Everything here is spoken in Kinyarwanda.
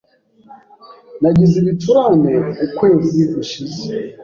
Nagize ibicurane ukwezi gushize.